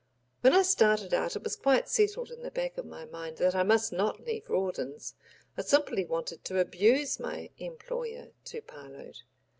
When I started out it was quite settled in the back of my mind that I must not leave Rawdon's. I simply wanted to abuse my employer to Parload.